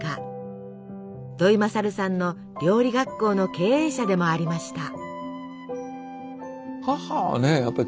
土井勝さんの料理学校の経営者でもありました。